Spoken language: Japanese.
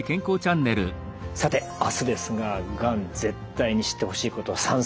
さて明日ですががん絶対に知ってほしいこと３選